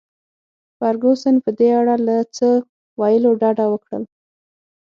فرګوسن په دې اړه له څه ویلو ډډه وکړل.